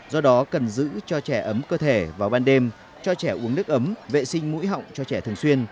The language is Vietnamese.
do đó cần giữ cho trẻ ấm cơ thể vào ban đêm cho trẻ uống nước ấm vệ sinh mũi họng cho trẻ thường xuyên